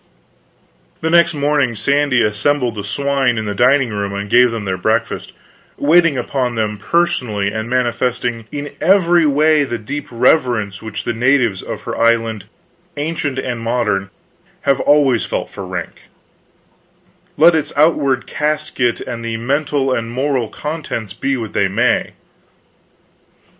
The next morning Sandy assembled the swine in the dining room and gave them their breakfast, waiting upon them personally and manifesting in every way the deep reverence which the natives of her island, ancient and modern, have always felt for rank, let its outward casket and the mental and moral contents be what they may.